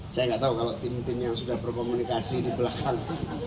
saya nggak tahu kalau tim tim yang sudah berkomunikasi di belakang